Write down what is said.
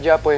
gak mau mah